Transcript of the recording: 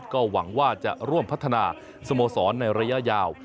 ก็หวังว่าจะร่วมพัฒนาสโมสรในระยะยาว